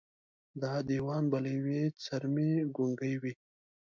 دا دېوان به له ېوې څېرمې ګونګي وي